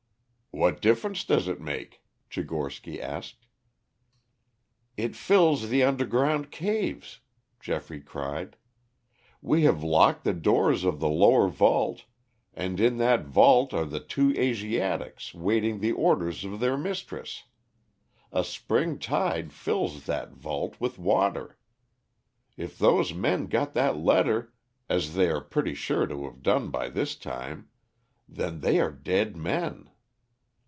"What difference does it make?" Tchigorsky asked. "It fills the underground caves," Geoffrey cried. "We have locked the doors of the lower vault, and in that vault are the two Asiatics waiting the orders of their mistress. A spring tide fills that vault with water. If those men got that letter, as they are pretty sure to have done by this time, then they are dead men.